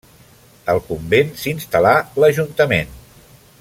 Al convent, s'hi instal·là l'Ajuntament.